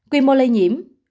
quy mô lây nhiễm